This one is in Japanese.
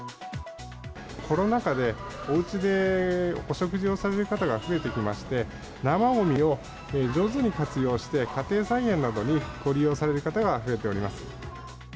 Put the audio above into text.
コロナ禍で、おうちでお食事をされる方が増えてきまして、生ごみを上手に活用して、家庭菜園などにご利用される方が増えております。